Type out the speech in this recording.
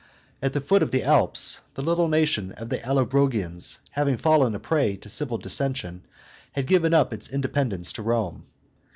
At the foot of the Alps, the little nation of Allobrogians, having fallen a prey to civil dissension, had given up its independence to Rome.